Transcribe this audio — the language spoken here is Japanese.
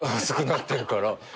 熱くなってるから。